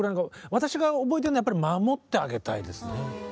私が覚えてるのはやっぱり「守ってあげたい」ですね。